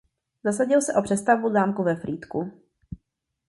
Zasadil se o přestavbu zámku ve Frýdku.